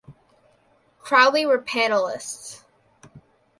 Crowley were panelists.